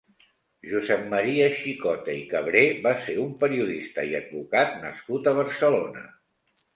Josep Maria Xicota i Cabré va ser un periodista i advocat nascut a Barcelona.